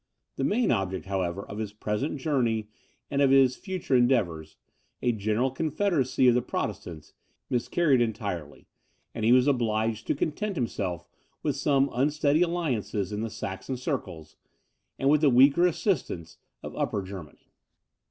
The main object, however, of his present journey and of his future endeavours, a general confederacy of the Protestants, miscarried entirely, and he was obliged to content himself with some unsteady alliances in the Saxon circles, and with the weaker assistance of Upper Germany.